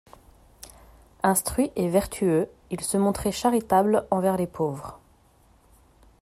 Instruit et vertueux; il se montrait charitable envers les pauvres.